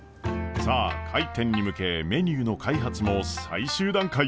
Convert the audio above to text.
さあ開店に向けメニューの開発も最終段階。